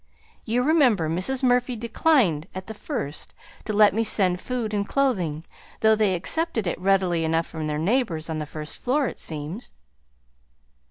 You remember Mrs. Murphy declined, at the first, to let me send food and clothing though they accepted it readily enough from their neighbors on the first floor, it seems."